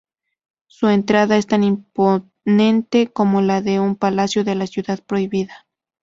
Su entrada es tan imponente como la de un palacio de la Ciudad prohibida.